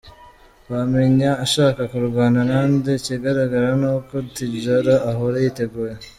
Wamenya ashaka kurwana na nde?? Ikigaragara ni uko Tidjara ahora yiteguye!.